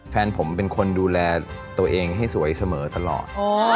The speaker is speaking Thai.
แฟนผมเป็นคนดูแลตัวเองให้สวยเสมอตลอด